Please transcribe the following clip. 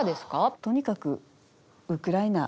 とにかくウクライナ。